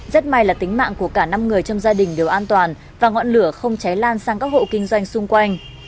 rất may là tính mạng của cả năm người trong gia đình đều an toàn và ngọn lửa không cháy lan sang các hộ kinh doanh xung quanh